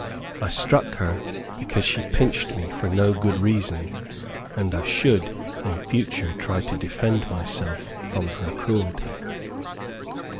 I struck her because she pinched me for no good reason; and I should in future try to defend myself from her cruelty.